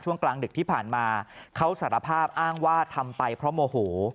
กลางดึกที่ผ่านมาเขาสารภาพอ้างว่าทำไปเพราะโมโห